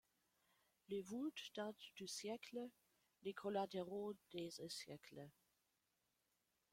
Les voûtes datent du siècle, les collatéraux des et siècles.